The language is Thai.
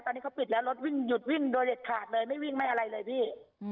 ตอนนี้เขาปิดแล้วรถวิ่งหยุดวิ่งโดยเด็ดขาดเลยไม่วิ่งไม่อะไรเลยพี่